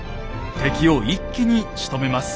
敵を一気にしとめます。